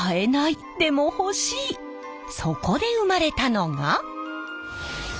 そこで生まれたのが。